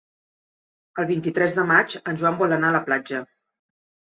El vint-i-tres de maig en Joan vol anar a la platja.